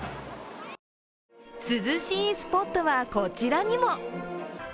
涼しいスポットは、こちらにも。